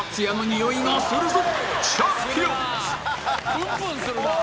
プンプンするなあ。